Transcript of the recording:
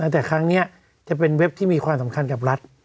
แต่ครั้งนี้จะเป็นเว็บที่มีความสำคัญกับรัฐ